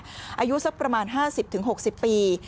อายุสักประมาณ๕๐๖๐ปี